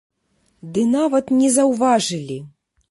Ды нават не заўважылі!